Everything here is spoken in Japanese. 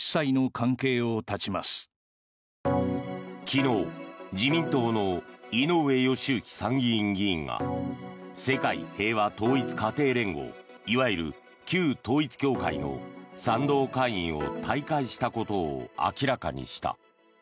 昨日、自民党の井上義行参議院議員が世界平和統一家庭連合いわゆる旧統一教会の賛同会員を退会したことを明らかにした。